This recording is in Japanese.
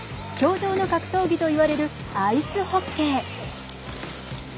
氷上の格闘技といわれるアイスホッケー。